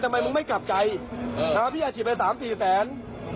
ใครให้มึงมี๕แสน